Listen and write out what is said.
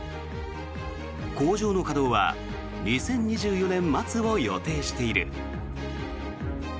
工場の稼働は２０２４年末を予定している。